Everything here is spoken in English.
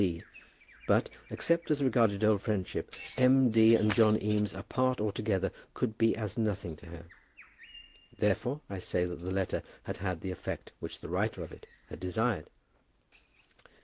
D.; but except as regarded old friendship, M. D. and John Eames, apart or together, could be as nothing to her. Therefore, I say that the letter had had the effect which the writer of it had desired.